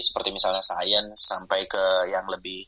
seperti misalnya sains sampai ke yang lebih